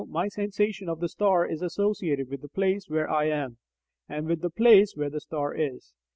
my sensation of the star is associated with the place where I am and with the place where the star is.